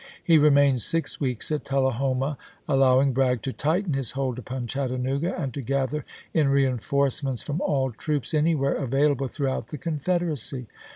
He remained six weeks at Tullahoma, allow ing Bragg to tighten his hold upon Chattanooga and to gather in reenforcements from all troops anywhere available throughout the Confederacy.